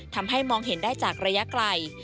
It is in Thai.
ทำให้มองเห็นได้จากระยะไกล